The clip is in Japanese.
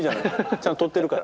ちゃんととってるから。